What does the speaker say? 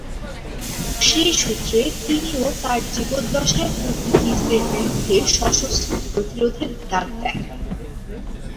সেই সূত্রে তিনিও তার জীবদ্দশায় পর্তুগিজদের বিরুদ্ধে সশস্ত্র প্রতিরোধের ডাক দেন।